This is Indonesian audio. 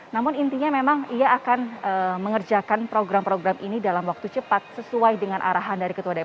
namun intinya memang ia akan mengerjakan program program ini dalam waktu cepat sesuai dengan arahan dari ketua dpr